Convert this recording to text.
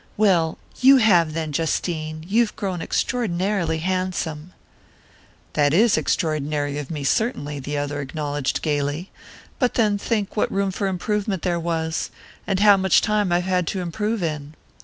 "Well, you have, then, Justine you've grown extraordinarily handsome!" "That is extraordinary of me, certainly," the other acknowledged gaily. "But then think what room for improvement there was and how much time I've had to improve in!"